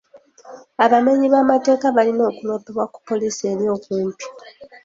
Abamenyi b'amateeka balina okuloopebwa ku poliisi eri okumpi.